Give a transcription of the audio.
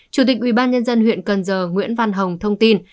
chủ tịch ubnd huyện cần giờ nguyễn văn hồng thông tin